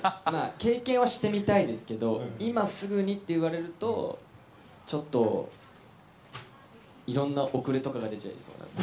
経験はしてみたいですけど、今すぐにっていわれると、ちょっと、いろんな遅れとか出ちゃいそ